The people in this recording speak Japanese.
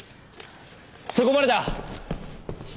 そこまでだ！